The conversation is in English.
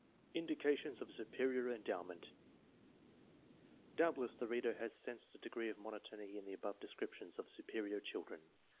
Indications of superior endowment. Doubtless the reader has sensed a degree of monotony in the above descriptions of superior children.